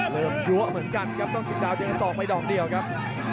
เริ่มรั้วเหมือนกันครับต้องเชียงดาวเจอสอกไม่ดอกเดียวครับ